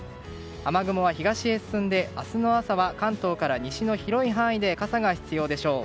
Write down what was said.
雨雲は東へ進んで、明日の朝は関東から西の広い範囲で傘が必要でしょう。